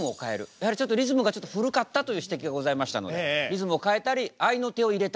やはりちょっとリズムがちょっと古かったという指摘がございましたのでリズムを変えたりあいの手を入れたりと。